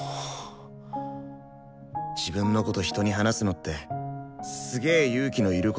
自分のこと人に話すのってすげ勇気の要ることだから。